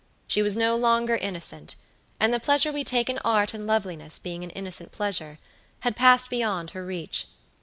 She was no longer innocent; and the pleasure we take in art and loveliness being an innocent pleasure, had passed beyond her reach.